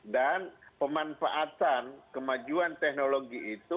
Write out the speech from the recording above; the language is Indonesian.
dan pemanfaatan kemajuan teknologi itu